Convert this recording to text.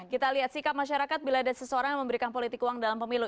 kita lihat sikap masyarakat bila ada seseorang yang memberikan politik uang dalam pemilu